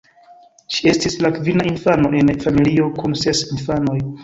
Ŝi estis la kvina infano en familio kun ses infanoj.